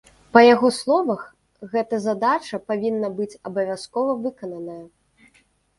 Па яго словах, гэта задача павінна быць абавязкова выкананая.